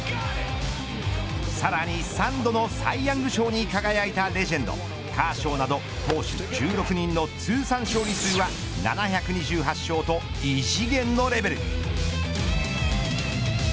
さらに３度のサイ・ヤング賞に輝いたレジェンドカーショーなど投手１６人の通算勝利数は７２８勝と異次元のレベル。